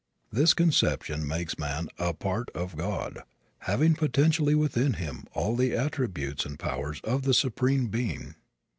This conception makes man a part of God, having potentially within him all the attributes and powers of the Supreme Being.